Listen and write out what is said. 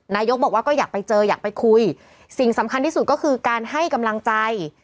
นายกบอกว่าก็อยากไปเจออยากไปคุยสิ่งสำคัญที่สุดก็คือการให้กำลังใจ